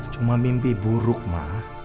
cuma mimpi buruk ma